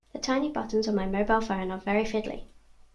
The tiny buttons on my mobile phone are very fiddly